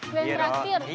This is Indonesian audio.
gue yang terakhir